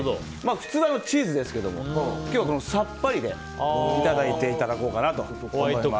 普通はチーズですけれども今日はさっぱりでいただいていこうかなと思います。